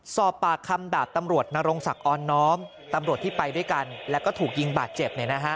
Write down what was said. สอบปากคำดาบตำรวจนรงศักดิ์ออนน้อมตำรวจที่ไปด้วยกันแล้วก็ถูกยิงบาดเจ็บ